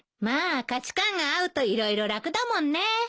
まあ価値観が合うと色々楽だもんね。